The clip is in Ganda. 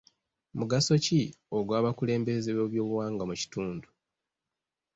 Mugaso ki ogw'abakulembeze b'ebyobuwangwa mu kitundu?